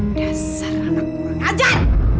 dasar anak kurang ajar